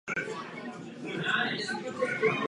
Není tu nic nového.